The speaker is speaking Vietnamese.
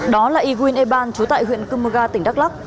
đó là yguin eban chú tại huyện kumuga tỉnh đắk lắc